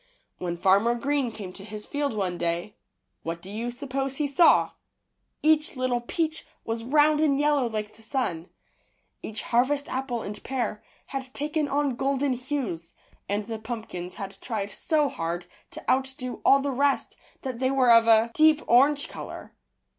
When Farmer Green came to his field one day, what do you suppose he saw? Each little peach was round and yellow like the sun. Each harvest apple and pear had taken on golden hues, and the pumpkins had tried so hard to outdo all the rest that they were of a 106 WHAT THE SUN DID. deep orange color.